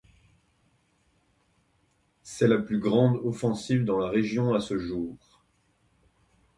C'est la plus grande offensive dans la région à ce jour.